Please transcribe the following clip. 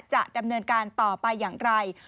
จะดำเนินการต่อไปอย่างไร